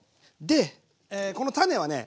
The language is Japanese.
でこの種はね